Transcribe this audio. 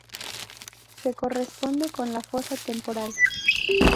Se corresponde con la fosa temporal.